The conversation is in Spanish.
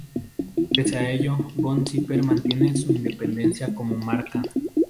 Pese a ello, Von Zipper mantiene su independencia como marca.